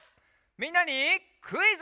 みんなにクイズ！